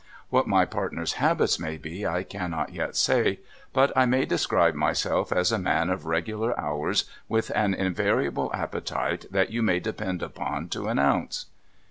What my partner's habits may be, I cannot yet say. But I may describe myself as a man of regular hours, with an invariable appetite that you may depend upon to an ounce.'